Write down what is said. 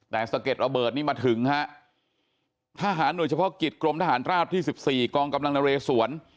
แต่สะเก็ดระเบิดนี่มาถึงฮะทหารหน่วยเฉพาะกิจกรมทหารราบที่๑๔กองกำลังนเรสวน